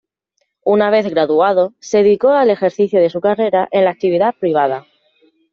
Una vez graduado, se dedicó al ejercicio de su carrera en la actividad privada.